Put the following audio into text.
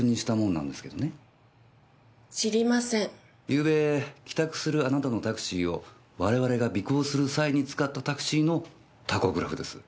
ゆうべ帰宅するあなたのタクシーを我々が尾行する際に使ったタクシーのタコグラフです。